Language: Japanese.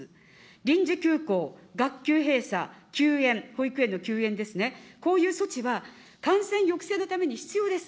臨時休校、学級閉鎖、休園、保育園の休園ですね、こういう措置は、感染抑制のために必要です。